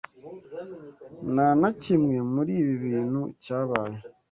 Nta na kimwe muri ibi bintu cyabaye.